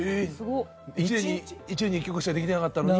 １年に１曲しかできてなかったのに。